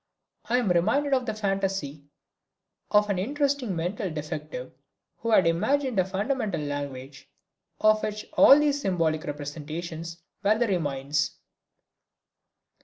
I am reminded of the phantasy of an interesting mental defective, who had imagined a fundamental language, of which all these symbolic representations were the remains.